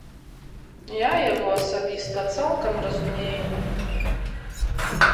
Я яго асабіста цалкам разумею.